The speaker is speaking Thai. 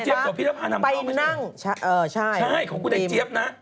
ใช่ของกูแต่เจี๊ยบนะ